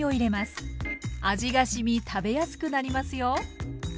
味がしみ食べやすくなりますよ。